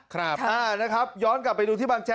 ครับอ่านะครับย้อนกลับไปดูที่บางแจ